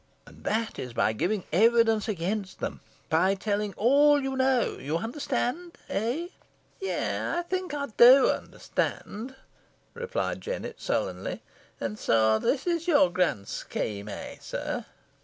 And that is by giving evidence against them by telling all you know you understand eh!" "Yeigh, ey think ey do onderstond," replied Jennet, sullenly. "An so this is your grand scheme, eh, sir?"